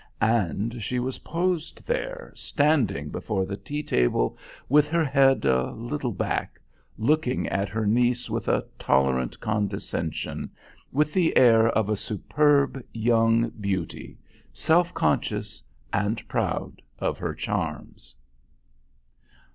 And she was posed there, standing before the tea table with her head a little back, looking at her niece with a tolerant condescension, with the air of a superb young beauty, self conscious and proud of her charms.